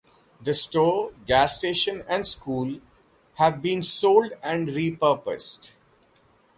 The store, gas station and school have been sold and re-purposed.